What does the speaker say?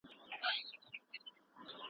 څښتن راکړې ژبه ګونګه ګرځوومه